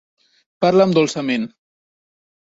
Parla'm dolçament.